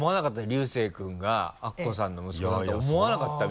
龍聖君がアッコさんの息子さんと思わなかったみたいで。